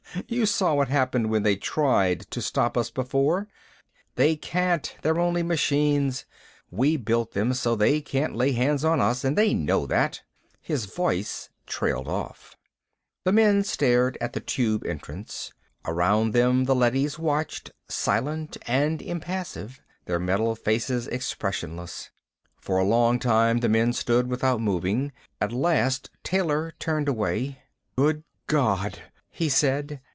You saw what happened when they tried to stop us before. They can't; they're only machines. We built them so they can't lay hands on us, and they know that." His voice trailed off. The men stared at the Tube entrance. Around them the leadys watched, silent and impassive, their metal faces expressionless. For a long time the men stood without moving. At last Taylor turned away. "Good God," he said.